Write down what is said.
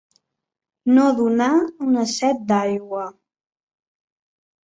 No donar una set d'aigua.